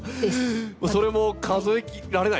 それも数えられないですよね。